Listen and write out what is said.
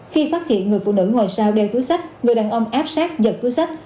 khi phát hiện người phụ nữ ngồi sau đeo túi sách người đàn ông áp sát giật túi sách